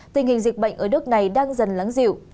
tình hình dịch bệnh ở nước này đang dần lắng dịu